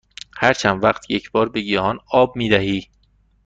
هر چند وقت یک بار به گیاهان آب می دهی؟